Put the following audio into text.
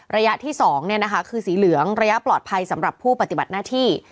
ระยะที่๒คือสีเหลืองระยะปลอดภัยสำหรับผู้ปฏิบัติหน้าที่